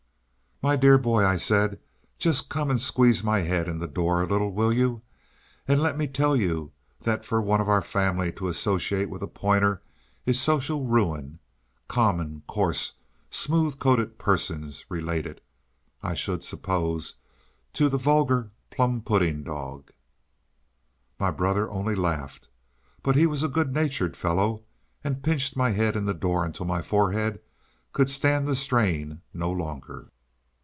"My dear boy," I said, "just come and squeeze my head in the door a little, will you? and let me tell you that for one of our family to associate with a pointer is social ruin common, coarse, smooth coated persons, related, I should suppose, to the vulgar plum pudding dog." My brother only laughed; but he was a good natured fellow, and pinched my head in the door until my forehead could stand the strain no longer.